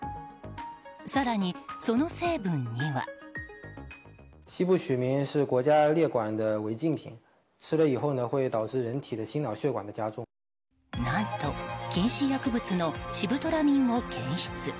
更に、その成分には。何と、禁止薬物のシブトラミンを検出。